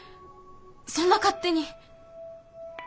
そんな勝手に。